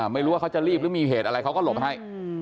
ไม่รู้ว่าเขาจะรีบหรือมีเหตุอะไรเขาก็หลบให้